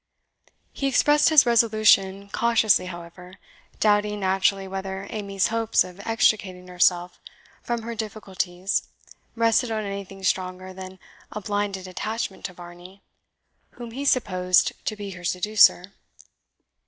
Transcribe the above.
He expressed his resolution cautiously, however, doubting naturally whether Amy's hopes of extricating herself from her difficulties rested on anything stronger than a blinded attachment to Varney, whom he supposed to be her seducer.